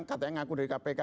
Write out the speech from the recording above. katanya ngaku dari kpk